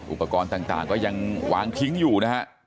อุปกรณ์ต่างก็ยังวางทิ้งอยู่นะฮะ